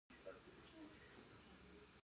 د منځلارۍ پریښودل ستونزې جوړوي.